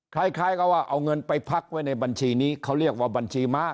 คล้ายก็ว่าเอาเงินไปพักไว้ในบัญชีนี้เขาเรียกว่าบัญชีม้า